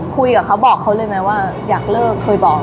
คุยกับเขาบอกเขาเลยไหมว่าอยากเลิกเคยบอก